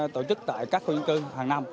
tổ chức tại các khu dân cư hàng năm